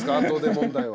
問題は。